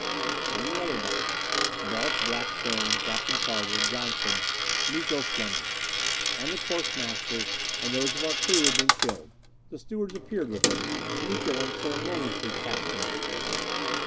And the other bodies. Balch Blackstone, Captain Carter, Johnson Miko flung them. And the course masters and those of our crew who had been killed; the stewards appeared with them; Miko unceremoniously cast them off.